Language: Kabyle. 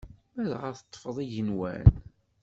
Ma dɣa teṭṭfeḍ igenwan.